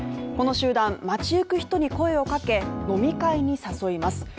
この集団、街ゆく人に声をかけ飲み会に誘います。